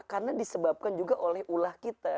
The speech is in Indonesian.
karena disebabkan juga oleh ulah kita